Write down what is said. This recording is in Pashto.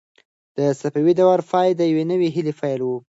د صفوي دورې پای د یوې نوې هیلې پیل و.